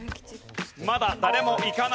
まだ誰もいかない。